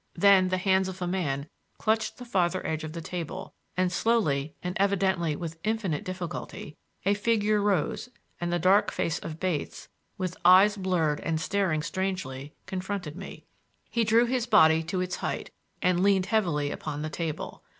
Then the hands of a man clutched the farther edge of the table, and slowly and evidently with infinite difficulty a figure rose and the dark face of Bates, with eyes blurred and staring strangely, confronted me. He drew his body to its height, and leaned heavily upon the table.